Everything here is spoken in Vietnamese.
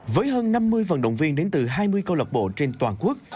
với hơn năm mươi vận động viên đến từ hai mươi câu lạc bộ trên toàn quốc